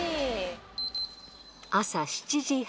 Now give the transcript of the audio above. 朝７時半。